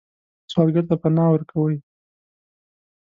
سوالګر ته پناه ورکوئ